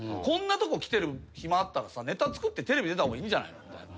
「こんなとこ来てる暇あったらさネタ作ってテレビ出た方がいいんじゃないの？」